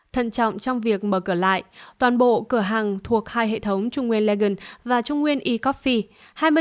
thận trọng trong việc mở cửa lại toàn bộ cửa hàng thuộc hai hệ thống trung nguyên legan và trung nguyên e coffee